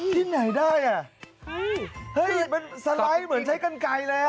ที่ไหนได้อ่ะเฮ้ยมันสไลด์เหมือนใช้กันไกลเลยอ่ะ